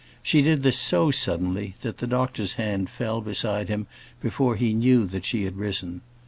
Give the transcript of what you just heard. She did this so suddenly, that the doctor's hand fell beside him before he knew that she had risen.